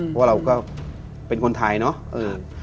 เพราะว่าเราก็เป็นคนไทยเนาะ